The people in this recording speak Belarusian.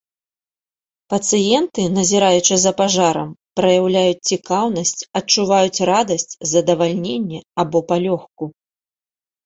Пацыенты, назіраючы за пажарам, праяўляюць цікаўнасць, адчуваюць радасць, задавальненне або палёгку.